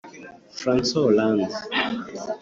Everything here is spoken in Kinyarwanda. Francois Hollande